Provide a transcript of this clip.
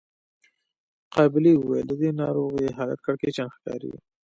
قابلې وويل د دې ناروغې حالت کړکېچن ښکاري.